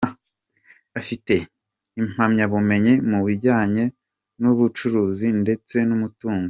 Afite impamyabumenyi mu bijyanye n’ubucuruzi ndetse n’ umutungo.